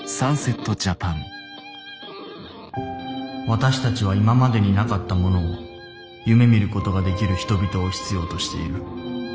私たちは今までになかったものを夢見ることができる人々を必要としている。